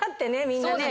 みんなね。